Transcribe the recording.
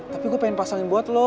tapi gue pengen pasang yang buat lo